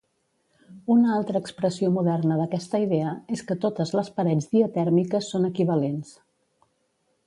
Una altra expressió moderna d'aquesta idea és que "Totes les parets diatèrmiques són equivalents".